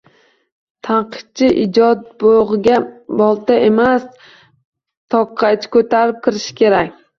“Tanqidchi ijod bog’iga bolta emas, tokqaychi ko’tarib kirishi kerak!”